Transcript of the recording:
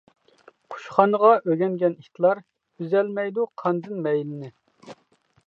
قۇشخانىغا ئۆگەنگەن ئىتلار، ئۈزەلمەيدۇ قاندىن مەيلىنى.